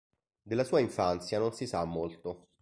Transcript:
Della sua infanzia non si sa molto.